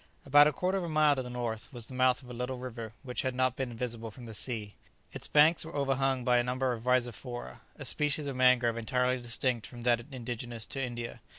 About a quarter of a mile to the north was the mouth of a little river which had not been visible from the sea. Its banks were overhung by a number of "rhizophora," a species of mangrove entirely distinct from that indigenous to India.